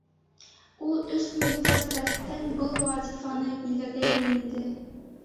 Ул өс мөҙҙәт рәттән был вазифаны биләгәйне инде.